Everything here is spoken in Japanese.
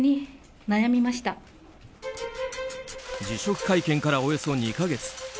辞職会見から、およそ２か月。